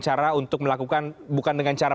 cara untuk melakukan bukan dengan cara